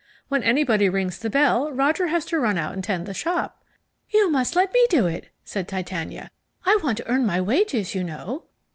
"When anybody rings the bell Roger has to run out and tend the shop." "You must let me do it," said Titania. "I want to earn my wages, you know."